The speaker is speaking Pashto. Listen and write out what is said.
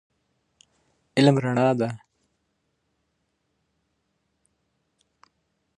فری لانسینګ ښه عاید لري.